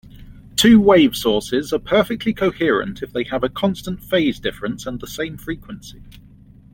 Two-wave sources are perfectly coherent if they have a constant phase difference and the same frequency.